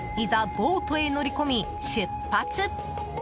ボートへ乗り込み、出発！